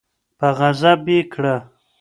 په غضب یې کړه